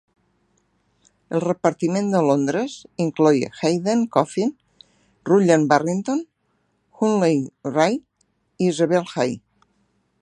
El repartiment de Londres incloïa Hayden Coffin, Rutland Barrington, Huntley Wright i Isabel Jay.